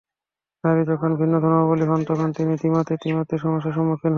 নারী যখন ভিন্ন ধর্মাবলম্বী হন, তখন তিনি দ্বিমাত্রিক-ত্রিমাত্রিক সমস্যার সম্মুখীন হন।